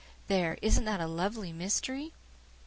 There, isn't that a lovely mystery?"